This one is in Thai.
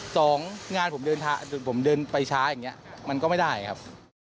ส่องงานผมเดินไปช้าอย่างนี้มันก็ไม่ได้ครับ